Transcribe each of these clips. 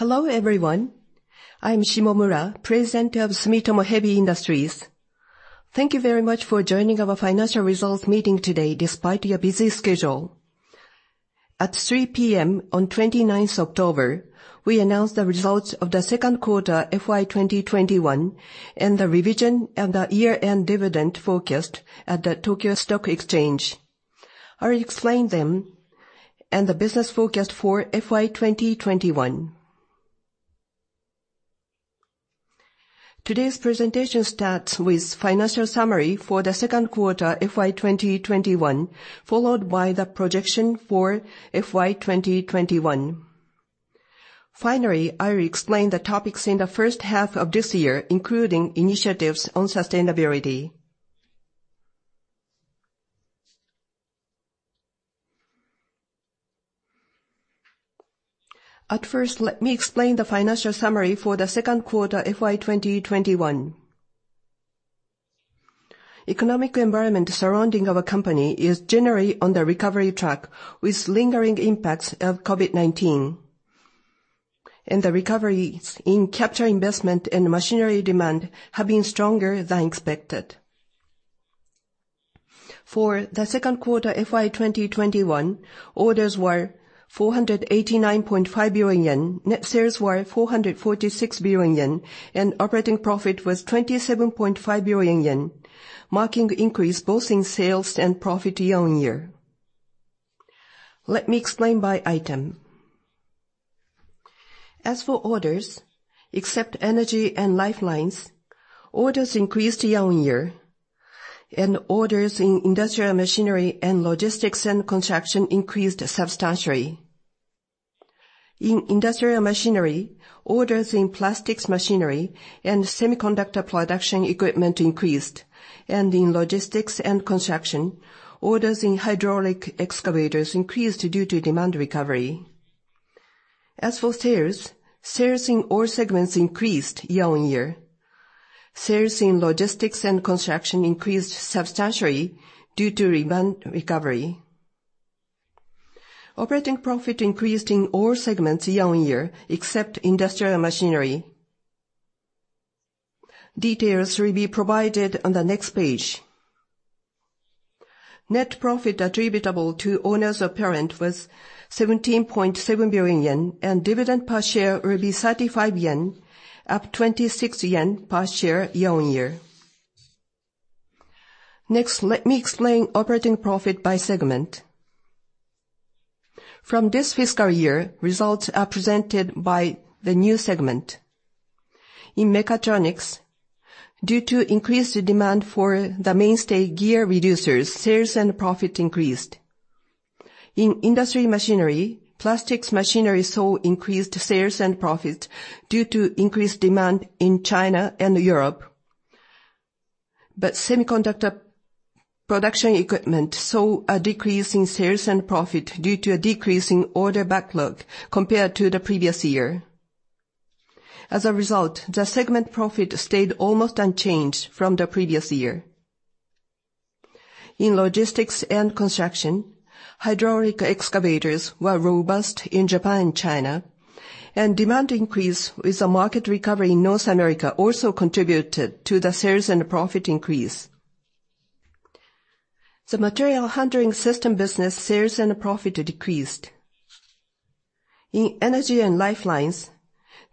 Hello, everyone. I'm Shimomura, President of Sumitomo Heavy Industries. Thank you very much for joining our financial results meeting today despite your busy schedule. At 3:00 P.M. on October 29th, we announced the results of the second quarter FY 2021, and the revision and the year-end dividend forecast at the Tokyo Stock Exchange. I'll explain them and the business forecast for FY 2021. Today's presentation starts with financial summary for the second quarter FY 2021, followed by the projection for FY 2021. Finally, I will explain the topics in the first half of this year, including initiatives on sustainability. At first, let me explain the financial summary for the second quarter FY 2021. Economic environment surrounding our company is generally on the recovery track, with lingering impacts of COVID-19. The recoveries in capital investment and machinery demand have been stronger than expected. For the second quarter FY 2021, orders were 489.5 billion yen, net sales were 446 billion yen, and operating profit was 27.5 billion yen, marking increase both in sales and profit year-on-year. Let me explain by item. As for orders, except Energy & Lifeline, orders increased year-on-year. Orders in Industrial Machinery and Logistics and Construction increased substantially. In Industrial Machinery, orders in Plastics Machinery and semiconductor production equipment increased. In Logistics and Construction, orders in Hydraulic Excavators increased due to demand recovery. As for sales in all segments increased year-on-year. Sales in Logistics and Construction increased substantially due to demand recovery. Operating profit increased in all segments year-on-year, except Industrial Machinery. Details will be provided on the next page. Net profit attributable to owners of parent was 17.7 billion yen, and dividend per share will be 35 yen, up 26 yen per share year-on-year. Next, let me explain operating profit by segment. From this fiscal year, results are presented by the new segment. In Mechatronics, due to increased demand for the mainstay gear reducers, sales and profit increased. In Industrial Machinery, Plastics Machinery saw increased sales and profit due to increased demand in China and Europe. Semiconductor production equipment saw a decrease in sales and profit due to a decrease in order backlog compared to the previous year. As a result, the segment profit stayed almost unchanged from the previous year. In Logistics and Construction, Hydraulic Excavators were robust in Japan and China, and demand increase with the market recovery in North America also contributed to the sales and profit increase. The Material Handling System business sales and profit decreased. In Energy & Lifelines,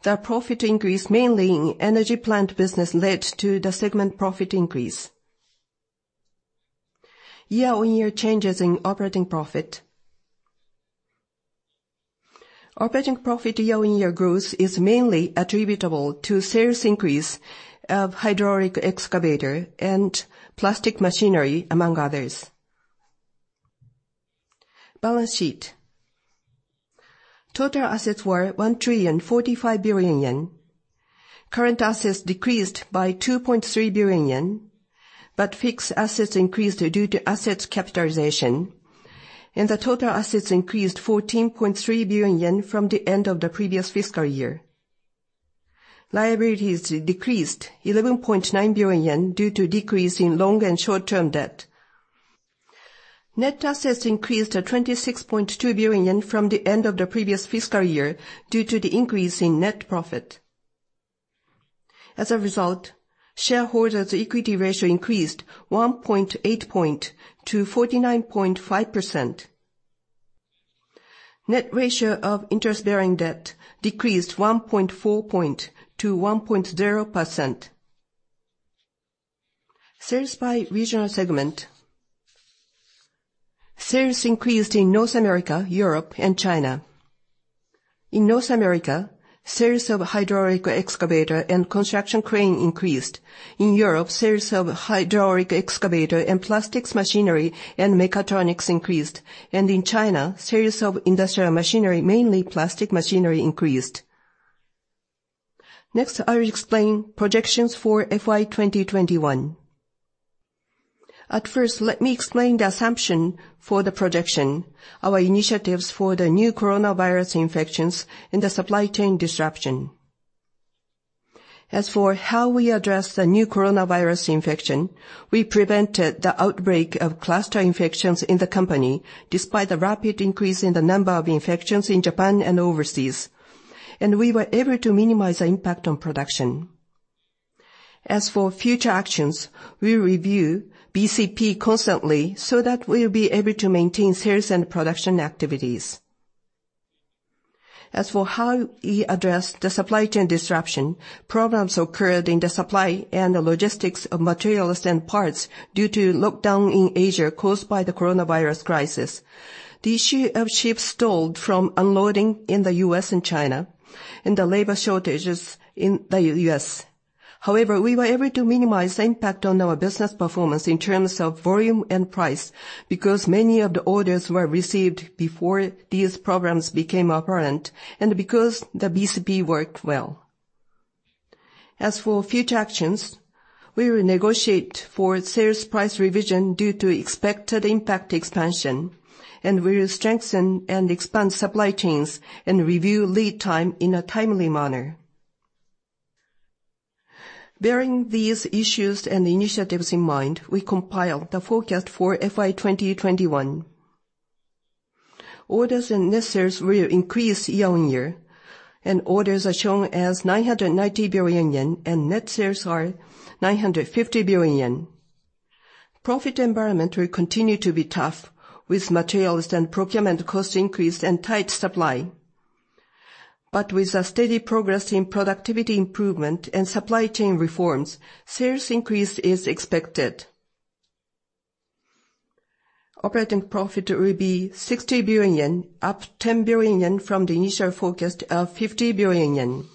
the profit increase mainly in Energy Plant business led to the segment profit increase. Year-on-year changes in operating profit. Operating profit year-on-year growth is mainly attributable to sales increase of Hydraulic Excavator and Plastics Machinery, among others. Balance sheet. Total assets were 1,045 billion yen. Current assets decreased by 2.3 billion yen, but fixed assets increased due to asset capitalization, and the total assets increased 14.3 billion yen from the end of the previous fiscal year. Liabilities decreased 11.9 billion yen due to decrease in long and short-term debt. Net assets increased to 26.2 billion from the end of the previous fiscal year due to the increase in net profit. As a result, shareholders' equity ratio increased 1.8 points to 49.5%. Net ratio of interest-bearing debt decreased 1.4 points to 1.0%. Sales by regional segment. Sales increased in North America, Europe, and China. In North America, sales of Hydraulic Excavator and construction crane increased. In Europe, sales of Hydraulic Excavator and Plastics Machinery and Mechatronics increased. In China, sales of Industrial Machinery, mainly Plastics Machinery, increased. Next, I will explain projections for FY 2021. At first, let me explain the assumption for the projection, our initiatives for the new coronavirus infections and the supply chain disruption. As for how we address the new coronavirus infection, we prevented the outbreak of cluster infections in the company despite the rapid increase in the number of infections in Japan and overseas, and we were able to minimize the impact on production. As for future actions, we review BCP constantly so that we'll be able to maintain sales and production activities. As for how we address the supply chain disruption, problems occurred in the supply and the logistics of materials and parts due to lockdown in Asia caused by the coronavirus crisis, the issue of ships stalled from unloading in the U.S. and China, and the labor shortages in the U.S. However, we were able to minimize the impact on our business performance in terms of volume and price because many of the orders were received before these problems became apparent and because the BCP worked well. As for future actions, we will negotiate for sales price revision due to expected impact expansion, and we will strengthen and expand supply chains and review lead time in a timely manner. Bearing these issues and initiatives in mind, we compiled the forecast for FY 2021. Orders and net sales will increase year-on-year, and orders are shown as 990 billion yen, and net sales are 950 billion yen. Profit environment will continue to be tough with materials and procurement cost increase and tight supply. With a steady progress in productivity improvement and supply chain reforms, sales increase is expected. Operating profit will be 60 billion yen, up 10 billion yen from the initial forecast of 50 billion yen.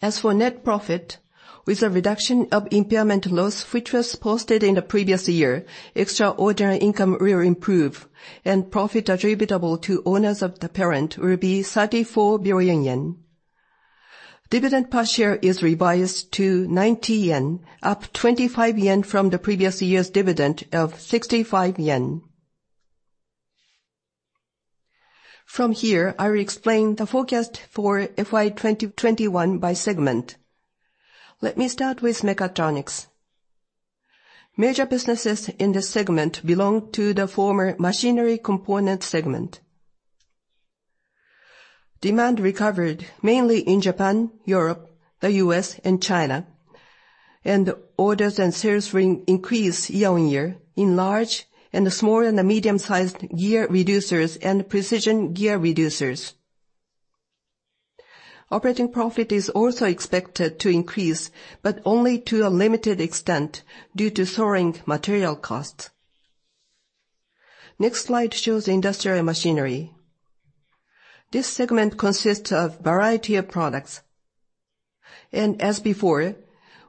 As for net profit, with a reduction of impairment loss which was posted in the previous year, extraordinary income will improve, and profit attributable to owners of the parent will be 34 billion yen. Dividend per share is revised to 90 yen, up 25 yen from the previous year's dividend of 65 yen. From here, I will explain the forecast for FY 2021 by segment. Let me start with Mechatronics. Major businesses in this segment belong to the former machinery component segment. Demand recovered mainly in Japan, Europe, the U.S., and China, and orders and sales will increase year-on-year in large and small medium-sized gear reducers and precision gear reducers. Operating profit is also expected to increase, but only to a limited extent due to soaring material costs. Next slide shows Industrial Machinery. This segment consists of a variety of products. As before,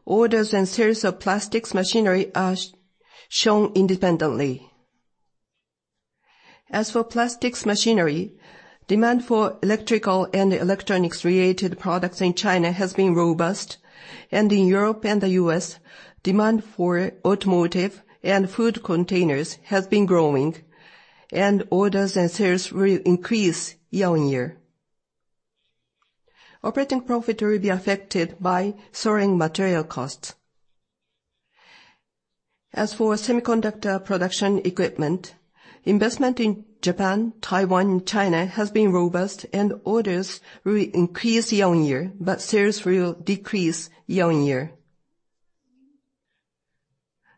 orders and sales of Plastics Machinery are shown independently. As for Plastics Machinery, demand for electrical and electronics-related products in China has been robust. In Europe and the U.S., demand for automotive and food containers has been growing. Orders and sales will increase year-on-year. Operating profit will be affected by soaring material costs. As for semiconductor production equipment, investment in Japan, Taiwan, and China has been robust, and orders will increase year-on-year, but sales will decrease year-on-year.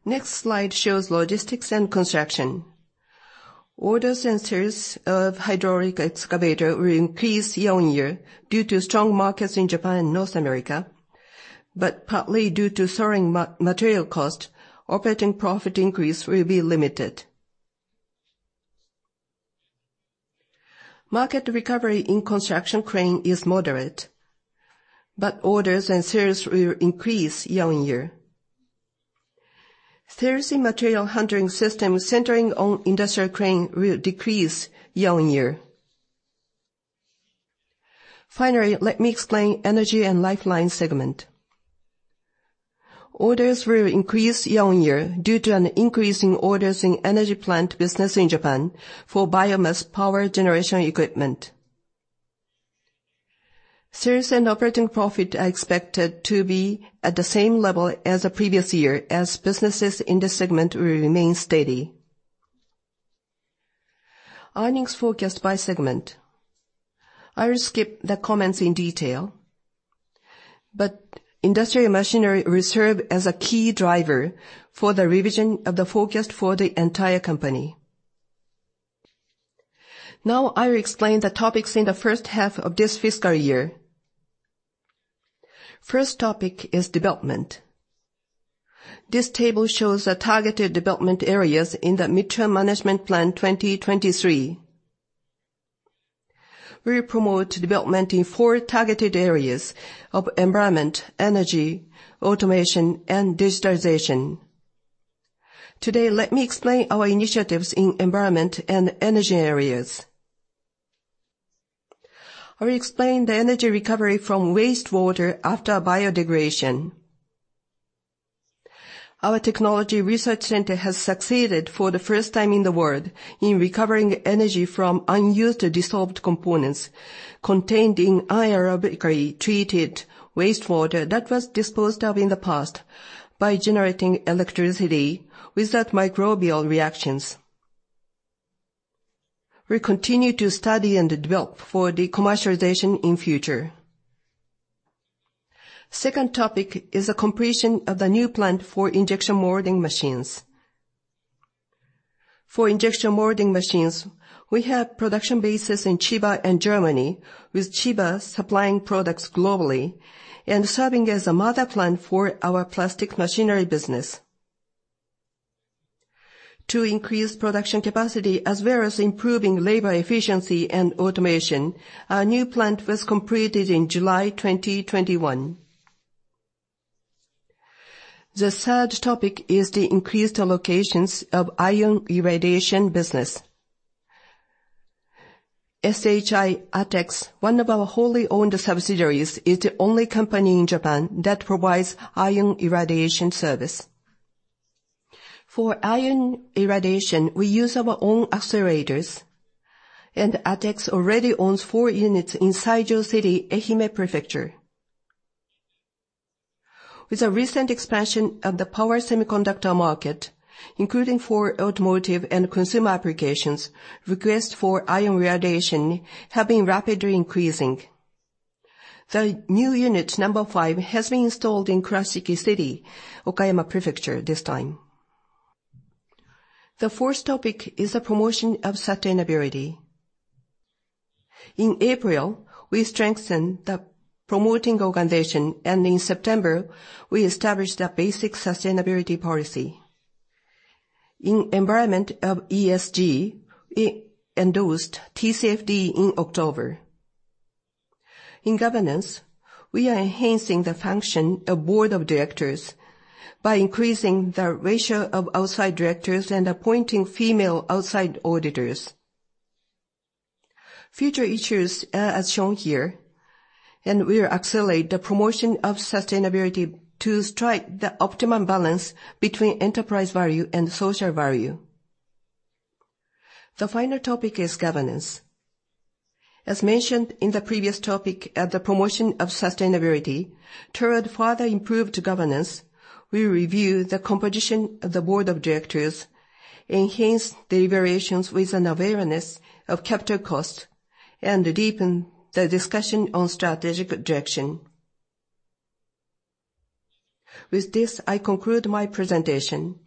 Next slide shows Logistics and Construction. Orders for Hydraulic Excavators will increase year-on-year due to strong markets in Japan and North America. Partly due to soaring material cost, operating profit increase will be limited. Market recovery in construction crane is moderate, but orders and sales will increase year-on-year. Sales in material handling system centering on industrial crane will decrease year-on-year. Finally, let me explain Energy & Lifeline segment. Orders will increase year-on-year due to an increase in orders in Energy Plant business in Japan for biomass power generation equipment. Sales and operating profit are expected to be at the same level as the previous year as businesses in this segment will remain steady. Earnings forecast by segment. I will skip the comments in detail, but Industrial Machinery will serve as a key driver for the revision of the forecast for the entire company. Now I will explain the topics in the first half of this fiscal year. First topic is development. This table shows the targeted development areas in the Medium-Term Management Plan 2023. We will promote development in four targeted areas of environment, energy, automation, and digitalization. Today, let me explain our initiatives in environment and energy areas. I will explain the energy recovery from wastewater after biodegradation. Our Technology Research Center has succeeded for the first time in the world in recovering energy from unused dissolved components contained in aerobically treated wastewater that was disposed of in the past by generating electricity with that microbial reactions. We continue to study and develop for the commercialization in future. Second topic is a completion of the new plant for injection molding machines. For injection molding machines, we have production bases in Chiba and Germany, with Chiba supplying products globally and serving as a mother plant for our Plastics Machinery business. To increase production capacity, as well as improving labor efficiency and automation, our new plant was completed in July 2021. The third topic is the increased allocations of ion irradiation business. SHI-ATEX, one of our wholly owned subsidiaries, is the only company in Japan that provides ion irradiation service. For ion irradiation, we use our own accelerators, and ATEX already owns four units in Saijo City, Ehime Prefecture. With the recent expansion of the power semiconductor market, including for automotive and consumer applications, requests for ion irradiation have been rapidly increasing. The new unit number five has been installed in Kurashiki City, Okayama Prefecture this time. The fourth topic is the promotion of sustainability. In April, we strengthened the promoting organization, and in September, we established a basic sustainability policy. In the environment of ESG, we endorsed TCFD in October. In governance, we are enhancing the function of the Board of Directors by increasing the ratio of outside directors and appointing female outside auditors. Future issues are as shown here, and we will accelerate the promotion of sustainability to strike the optimum balance between enterprise value and social value. The final topic is governance. As mentioned in the previous topic on the promotion of sustainability, toward further improved governance, we review the composition of the Board of Directors, enhance deliberations with an awareness of capital costs, and deepen the discussion on strategic direction. With this, I conclude my presentation.